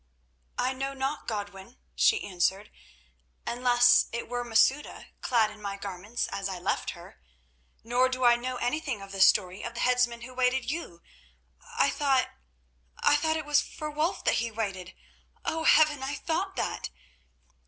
"I know not, Godwin," she answered, "unless it were Masouda clad in my garments as I left her. Nor do I know anything of this story of the headsman who awaited you. I thought—I thought it was for Wulf that he waited—oh! Heaven, I thought that."